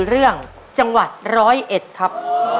เรื่องจังหวัดร้อยเอ็ดครับ